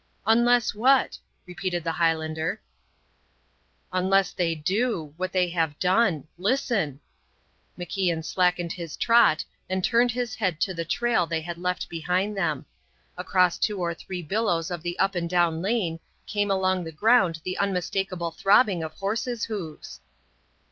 "Unless what?" repeated the Highlander. "Unless they do what they have done. Listen." MacIan slackened his trot, and turned his head to the trail they had left behind them. Across two or three billows of the up and down lane came along the ground the unmistakable throbbing of horses' hoofs.